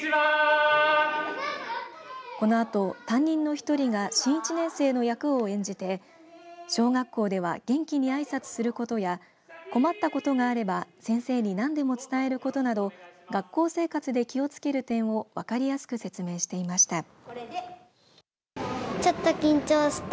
このあと担任の１人が新１年生の役を演じて小学校では元気にあいさつをすることや困ったことがあれば先生に何でも伝えることなど学校生活で気をつける点を分かりやすく説明していました。